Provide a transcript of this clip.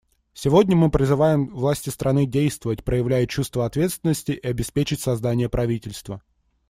Сегодня мы призываем власти страны действовать, проявляя чувство ответственности, и обеспечить создание правительства.